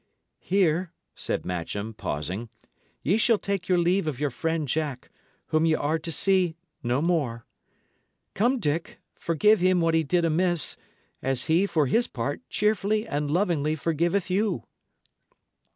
"Here," said Matcham, pausing, "ye shall take your leave of your friend Jack, whom y' are to see no more. Come, Dick, forgive him what he did amiss, as he, for his part, cheerfully and lovingly forgiveth you."